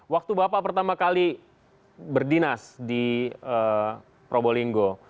waktu bapak pertama kali berdinas di probolinggo